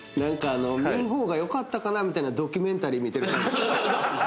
見ん方がよかったかなみたいなドキュメンタリー見てる感じ。